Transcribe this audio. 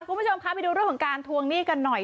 คุณผู้ชมคะไปดูเรื่องของการทวงหนี้กันหน่อย